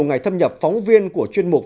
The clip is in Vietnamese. ngày thâm nhập phóng viên của chuyên mục